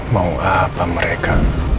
mau apa mereka